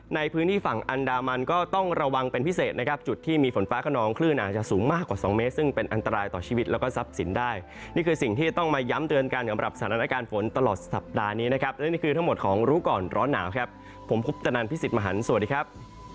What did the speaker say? การฝนตลอดสัปดาห์นี้นะครับและนี่คือทั้งหมดของรู้ก่อนร้อนหนาวครับผมพุทธนันทร์พิสิทธิ์มหันฯสวัสดีครับ